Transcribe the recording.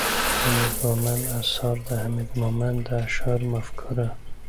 ،حميد مومند اثار، د حميد مومند د اشعارو مفکوره